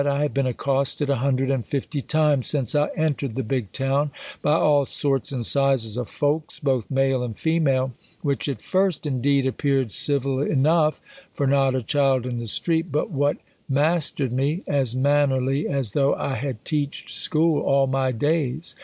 I have been accosted a hundred and fifty times since I entered the big town, by all sorts and sizes of folks, boch male and female. Which, at first, indeed, appeared civil enough ; for not a child in the street but what ma^ ter'^d me, as mannerly as though I had teach'd school all my days.